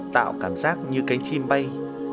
tạo cảm giác như cánh chim bay